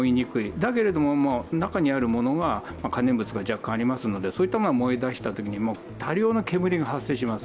だけれども中にあるものが可燃物が若干ありますので、そういったものが燃えだしたときいに、大量の煙が発生します。